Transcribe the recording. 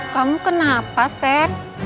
kamu kenapa sep